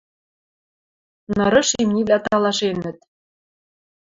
Нырыш имнивлӓ талашенӹт.